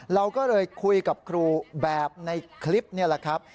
เราก็เลยคุยกับครูแบบในคลิปนี่แหละครับ